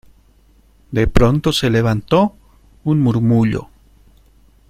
de pronto se levantó un murmullo: